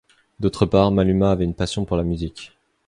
D'autre part, Maluma avait une passion pour la musique.